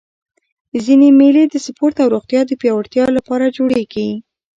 ځيني مېلې د سپورټ او روغتیا د پیاوړتیا له پاره جوړېږي.